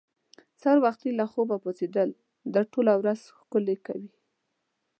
سهار وختي له خوبه پاڅېدل دې ټوله ورځ ښکلې کوي.